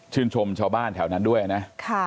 ชมชาวบ้านแถวนั้นด้วยนะ